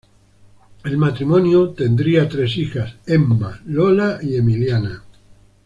El matrimonio tendría tres hijas: Emma, Lola y Emiliana.